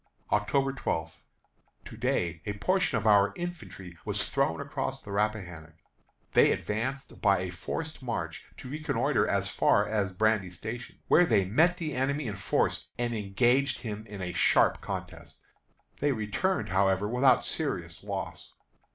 October 12. To day a portion of our infantry was thrown across the Rappahannock. They advanced by a forced march to reconnoitre as far as Brandy Station, where they met the enemy in force and engaged him in a sharp contest. They returned, however, without serious loss.